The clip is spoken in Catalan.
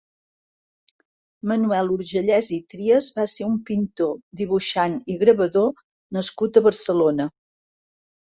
Manuel Urgellès i Trias va ser un pintor, dibuixant i gravador nascut a Barcelona.